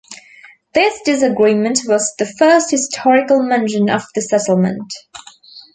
This disagreement was the first historical mention of the settlement.